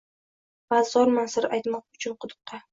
va zorman sir aytmoq uchun quduqqa.